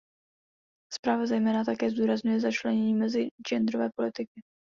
Zpráva zejména také zdůrazňuje začlenění mezi genderové politiky.